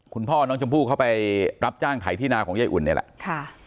คุณพ่อน้องชมพู่เขาไปรับจ้างไถที่นาของยายอุ่นนี่แหละค่ะ